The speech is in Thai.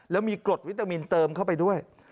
แล้วมีกรดวิตามินเติมเข้าไปด้วย